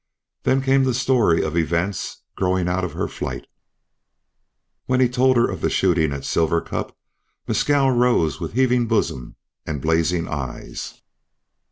Then came the story of events growing out of her flight. When he told of the shooting at Silver Cup, Mescal rose with heaving bosom and blazing eyes.